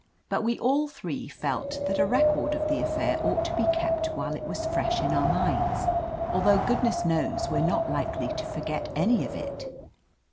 But we all three felt that a record of the affair ought to be kept while it was fresh in our minds, although goodness knows we're not likely to forget any of it.